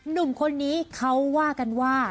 หนุ่มคนนี้เขาว่ากันว่า